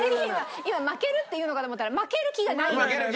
今負けるって言うのかと思ったら負ける気がない？